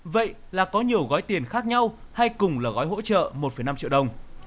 vậy là có nhiều gói tiền khác nhau hay cùng là gói hỗ trợ một năm triệu đồng